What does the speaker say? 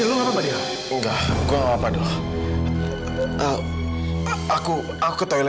ya allah apa yang terjadi sama kak fadil